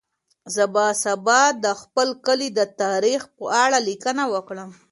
زه به سبا د خپل کلي د تاریخ په اړه لیکنه وکړم.